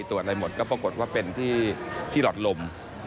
ตรวจก็ปรูกอดว่าเป็นแฉ่หลอดลม